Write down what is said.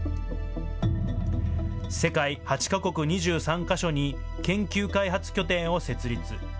世界８か国２３か所に研究開発拠点を設立。